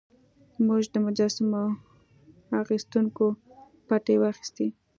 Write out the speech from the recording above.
موږ د مجسمو اخیستونکو پتې واخیستې.